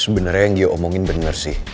sebenarnya yang dia omongin bener sih